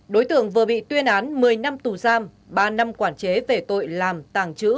đối tượng vừa bị tuyên án một mươi năm tù giam ba năm quản chế về tội làm tàng trữ